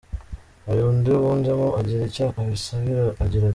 Hari undi wunzemo agira icyo abisabira agira ati ".